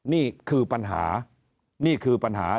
นี่คือปัญหานี่คือปัญหา